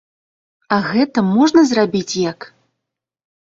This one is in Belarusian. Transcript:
А гэта можна зрабіць як?